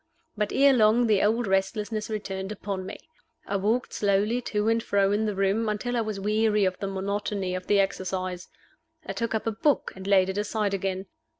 But ere long the old restlessness returned upon me. I walked slowly to and fro in the room, until I was weary of the monotony of the exercise. I took up a book, and laid it aside again.